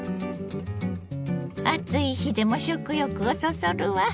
暑い日でも食欲をそそるわ。